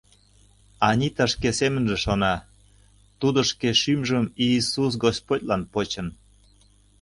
Анита шке семынже шона: тудо шке шӱмжым Иисус Господьлан почын.